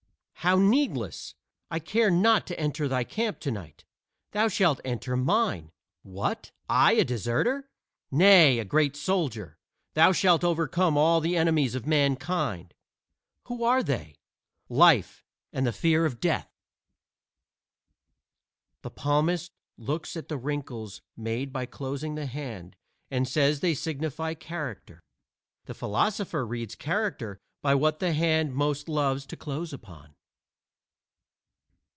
"How needless! I care not to enter thy camp tonight. Thou shalt enter mine." "What! I a deserter?" "Nay, a great soldier. Thou shalt overcome all the enemies of mankind." "Who are they?" "Life and the Fear of Death." The palmist looks at the wrinkles made by closing the hand and says they signify character. The philosopher reads character by what the hand most loves to close upon.